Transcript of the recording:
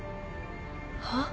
はっ？